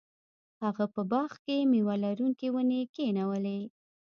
هغه په باغ کې میوه لرونکې ونې کینولې.